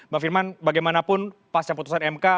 bang firman bagaimanapun pasca putusan mk